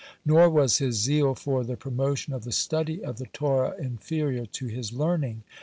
Nor was his zeal for the promotion of the study of the Torah inferior to his learning.